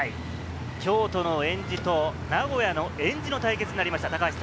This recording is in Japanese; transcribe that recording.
京都のえんじと名古屋のえんじの対決になりました。